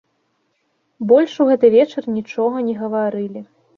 Больш у гэты вечар нічога не гаварылі.